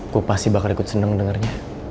gue pasti bakal ikut seneng dengernya